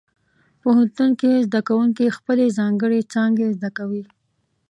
پوهنتون کې زده کوونکي خپلې ځانګړې څانګې زده کوي.